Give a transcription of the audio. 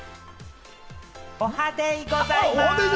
おはデイございます！